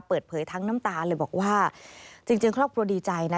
เปิดเผยทั้งน้ำตาเลยบอกว่าจริงครอบครัวดีใจนะ